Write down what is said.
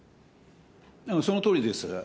そのとおりです。